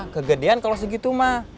kegedean kalau segitu mah